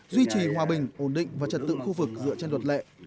duy trì hòa bình ổn định và trật tựu khu vực dựa trên đột lệ